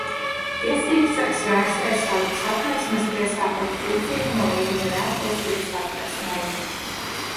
Tiesībsargs vērsies satversmes tiesā par trūcīguma līmeņa neatbilstību satversmei.